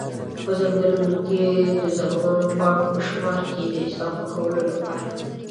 په ځنګلونو کي د زرغونو پاڼو په شمار کي د اضافه کولو لپاره